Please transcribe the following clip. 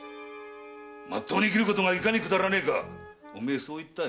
真っ当に生きることがいかにくだらねえかお前言ったよな？